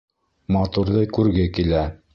Матурҙы күрге килә